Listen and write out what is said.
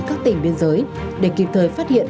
các tỉnh biên giới để kịp thời phát hiện